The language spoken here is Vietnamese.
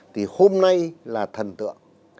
thì hôm nay là thần tượng